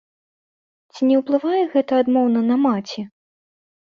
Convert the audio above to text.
Ці не ўплывае гэта адмоўна на маці?